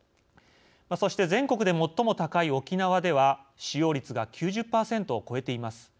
そして、全国で最も高い沖縄では使用率が９０％を超えています。